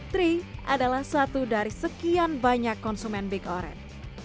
tri adalah satu dari sekian banyak konsumen big oren